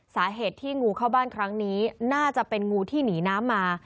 สาเหตุที่งูเข้าบ้านครั้งนี้น่าจะเป็นงูที่หนีน้ำมา